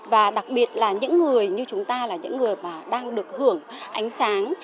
và đặc biệt là những người như chúng ta là những người mà đang được hưởng ánh sáng